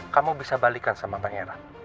kamu bisa balikkan sama pangeran